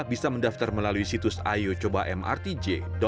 bisa mendaftar melalui situs ayocobamrtj com